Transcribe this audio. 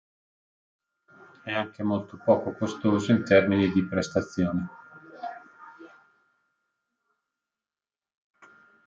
È anche molto poco costoso in termini di prestazioni.